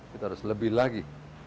kita harus lebih lagi